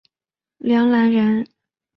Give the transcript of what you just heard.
梁览人。